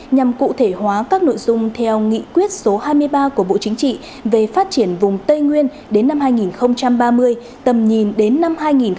nhằm cụ thể hóa các nội dung theo nghị quyết số hai mươi ba của bộ chính trị về phát triển vùng tây nguyên đến năm hai nghìn ba mươi tầm nhìn đến năm hai nghìn bốn mươi năm